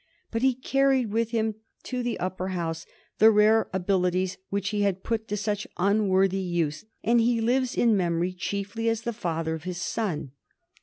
But he carried with him to the Upper House the rare abilities which he had put to such unworthy uses, and he lives in memory chiefly as the father of his son.